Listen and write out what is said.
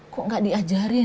kok nggak diajarin